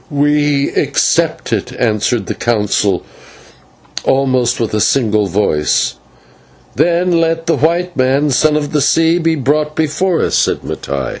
"We accept it," answered the Council almost with one voice. "Then let the white man, Son of the Sea, be brought before us," said Mattai.